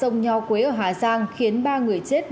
nhò quế ở hà giang khiến ba người chết